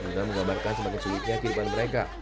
juga menggambarkan semakin sulitnya kehidupan mereka